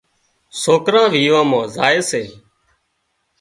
سوڪران ويوان مان زائي سي